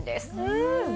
うん！